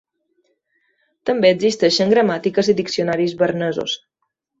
També existeixen gramàtiques i diccionaris bernesos.